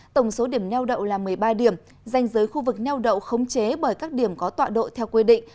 tổng số điểm neo đậu là một mươi ba điểm danh giới khu vực neo đậu khống chế bởi các điểm có tọa độ theo quy định